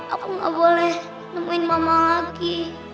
aku gak boleh nemuin mama lagi